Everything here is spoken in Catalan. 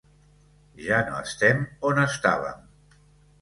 Ja no estem on estàvem.